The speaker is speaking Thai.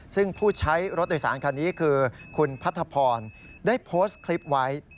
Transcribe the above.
ซึ่งผู้ใช้รถโดยสารคันนี้คือคุณพัทธพรได้โพสต์คลิปไว้